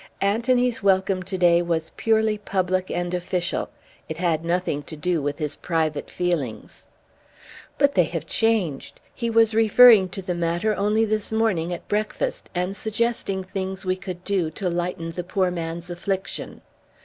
Anthony's welcome to day was purely public and official. It had nothing to do with his private feelings." "But they have changed. He was referring to the matter only this morning at breakfast and suggesting things we could do to lighten the poor man's affliction."